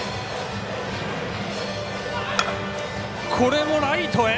これもライトへ。